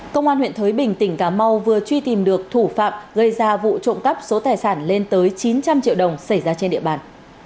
công an huyện thới bình tỉnh cà mau vừa truy tìm được thủ phạm gây ra vụ trộm cắp số tài sản lên tới chín trăm linh triệu đồng xảy ra trên địa bàn